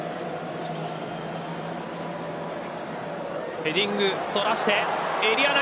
ヘディングそらしてエリア内。